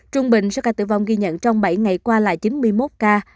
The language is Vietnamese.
trung bình số ca tử vong ghi nhận trong bảy ngày qua là chín mươi một ca